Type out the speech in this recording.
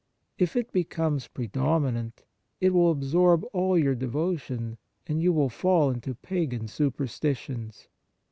If it becomes predominant, it will absorb all your devotion, and you will fall into pagan superstitions.